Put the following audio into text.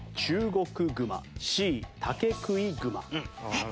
えっ！？